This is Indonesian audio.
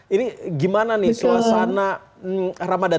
ini gimana nih suasana ramadan